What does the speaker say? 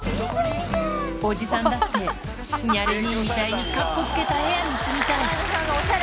おじさんだって、にゃれ兄みたいにかっこつけた部屋に住みたい。